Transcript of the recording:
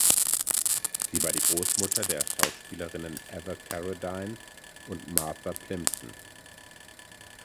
Sie war die Großmutter der Schauspielerinnen Ever Carradine und Martha Plimpton.